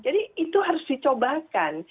jadi itu harus dicobakan